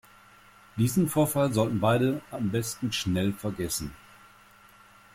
Diesen Vorfall sollten beide am besten schnell vergessen.